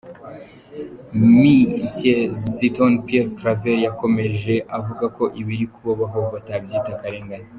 Me Zitoni Pierre Claver yakomeje avuga ko ibiri kubabaho batabyita akarengane.